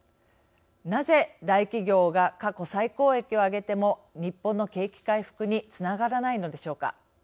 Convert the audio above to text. なぜ大企業が過去最高益を上げても日本の景気回復につながらないのでしょうか。